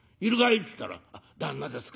っつったら『旦那ですか。